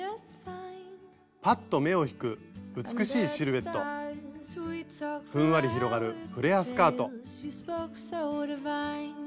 ぱっと目を引く美しいシルエットふんわり広がるフレアスカート。